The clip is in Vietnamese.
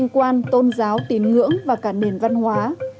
quan tôn giáo tín ngưỡng và cả nền văn hóa